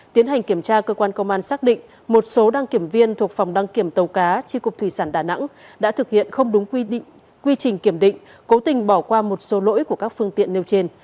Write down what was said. tiến hành kiểm tra cơ quan công an xác định một số đăng kiểm viên thuộc phòng đăng kiểm tàu cá tri cục thủy sản đà nẵng đã thực hiện không đúng quy trình kiểm định cố tình bỏ qua một số lỗi của các phương tiện nêu trên